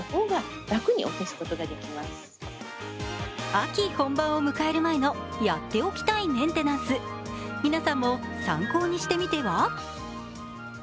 秋本番を迎える前のやっておきたいメンテナンス、皆さんも参考にしてみては？